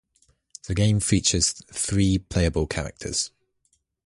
The game features three playable characters.